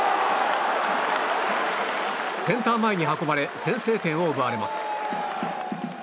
センター前に運ばれ先制点を奪われます。